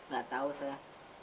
gak tau sada